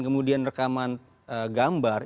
kemudian rekaman gambar